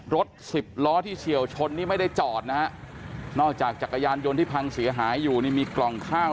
รถสิบล้อที่เฉียวชนนี่ไม่ได้จอดนะฮะนอกจากจักรยานยนต์ที่พังเสียหายอยู่นี่มีกล่องข้าว